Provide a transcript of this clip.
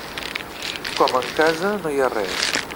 Com en casa no hi ha res.